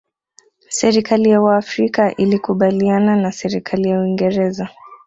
serikali ya waafrika ilikubaliana na serikali ya uingereza